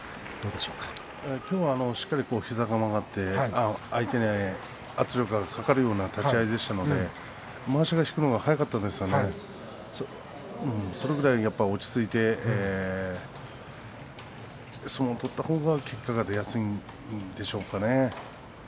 でもしっかり膝が曲がって相手に力がかかるような立ち合いでしたので、まわしを引くのが早かったのでそれぐらい落ち着いて取ったほうが結果が出やすいんですからね。